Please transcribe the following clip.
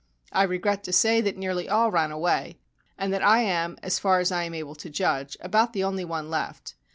I regret to say that nearly all ran away, and that I am (as far as I am able to judge) about the only one left.